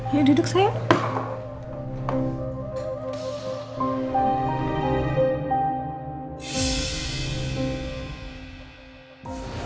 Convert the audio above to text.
ya duduk sayang